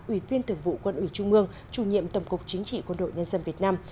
ủy viên thượng vụ quân ủy trung ương chủ nhiệm tầm cục chính trị quân đội nhân dân việt nam